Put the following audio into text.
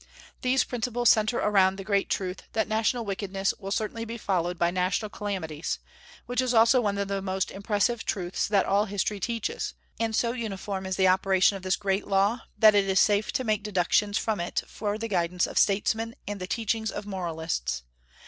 These principles centre around the great truth that national wickedness will certainly be followed by national calamities, which is also one of the most impressive truths that all history teaches; and so uniform is the operation of this great law that it is safe to make deductions from it for the guidance of statesmen and the teachings of moralists.